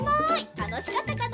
たのしかったかな？